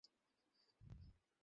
এগুলো সব সত্যিকারের বন্দুক?